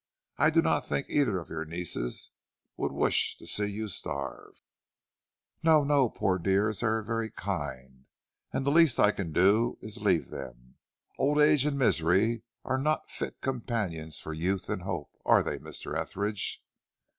I do not think either of your nieces would wish to see you starve." "No, no, poor dears, they are very kind, and the least I can do is to leave them. Old age and misery are not fit companions for youth and hope, are they, Mr. Etheridge?"